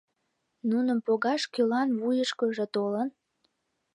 Нуным погаш кӧлан вуйышкыжо толын?